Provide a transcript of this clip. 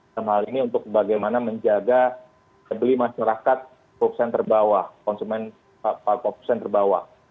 dan hal ini untuk bagaimana menjaga kebeli masyarakat konsumen terbawah